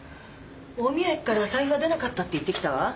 大宮駅から財布は出なかったって言ってきたわ。